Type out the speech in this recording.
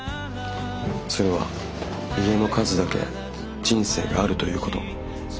それは家の数だけ人生があるということ。